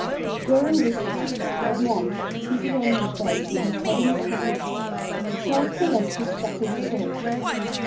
During this time, Edmond, seated on his bed with his head in his hands, tried to collect his scattered thoughts.